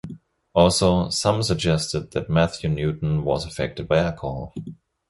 Also, some suggested that Matthew Newton was affected by alcohol.